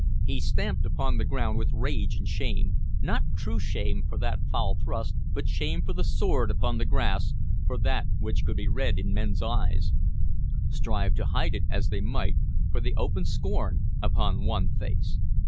He stamped upon the ground with rage and shame; not true shame for that foul thrust, but shame for the sword upon the grass, for that which could be read in men's eyes, strive to hide it as they might, for the open scorn upon one face.